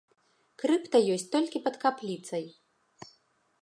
Крыпта ёсць толькі пад капліцай.